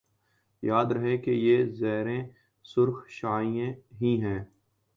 یاد رہے کہ یہ زیریں سرخ شعاعیں ہی ہیں